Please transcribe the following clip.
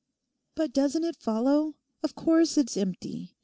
'But doesn't it follow? Of course it's empty.